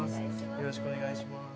よろしくお願いします。